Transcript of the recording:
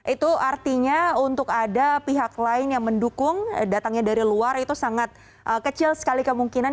itu artinya untuk ada pihak lain yang mendukung datangnya dari luar itu sangat kecil sekali kemungkinan